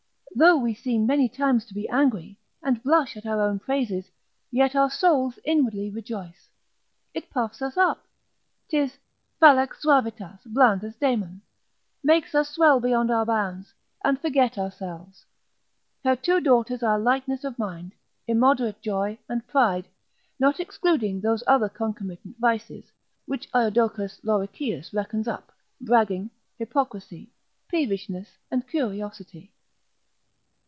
Though we seem many times to be angry, and blush at our own praises, yet our souls inwardly rejoice, it puffs us up; 'tis fallax suavitas, blandus daemon, makes us swell beyond our bounds, and forget ourselves. Her two daughters are lightness of mind, immoderate joy and pride, not excluding those other concomitant vices, which Iodocus Lorichius reckons up; bragging, hypocrisy, peevishness, and curiosity.